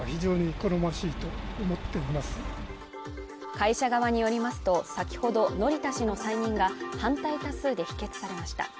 会社側によりますと、先ほど乗田氏の再任が反対多数で否決されました。